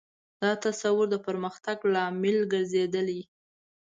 دا تصور د پرمختګ لامل ګرځېدلی.